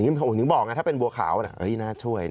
อย่างนี้ถ้าเป็นวัวขาวน่าจะป้องกันตัวจากพี่เขา